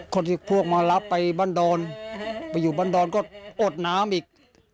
คนที่พวกมันรับไปบันดลไปอยู่บันดลก็โอดน้ำอีก